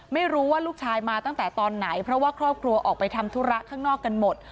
ไม่รู้ว่าลูกชายมาตั้งแต่ตอนไหนเพราะว่าครอบครัวออกไปทำธุระข้างนอกกันหมด